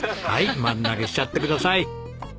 はい丸投げしちゃってください。